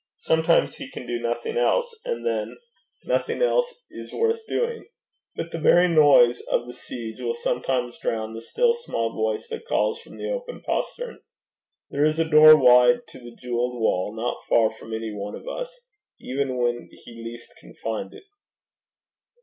Sometimes he can do nothing else, and then nothing else is worth doing; but the very noise of the siege will sometimes drown the still small voice that calls from the open postern. There is a door wide to the jewelled wall not far from any one of us, even when he least can find it.